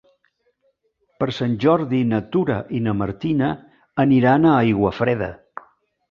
Per Sant Jordi na Tura i na Martina aniran a Aiguafreda.